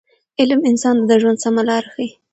علم انسان ته د ژوند سمه لاره ښیي.